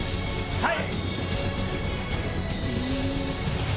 はい！